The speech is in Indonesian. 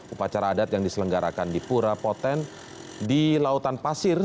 upacara adat yang diselenggarakan di pura poten di lautan pasir